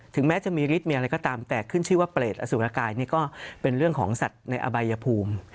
แม้จะมีฤทธิมีอะไรก็ตามแต่ขึ้นชื่อว่าเปรตอสุรกายนี่ก็เป็นเรื่องของสัตว์ในอบายภูมิ